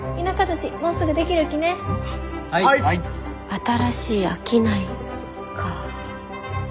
「新しい商い」か。